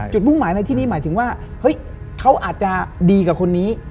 มุ่งหมายในที่นี้หมายถึงว่าเฮ้ยเขาอาจจะดีกว่าคนนี้